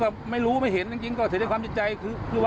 ก็ลุงพอเดี่ยวหนี